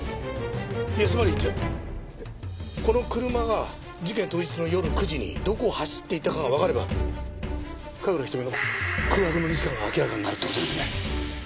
つまりじゃあこの車が事件当日の夜９時にどこを走っていたかがわかれば神楽瞳の空白の２時間が明らかになるって事ですね。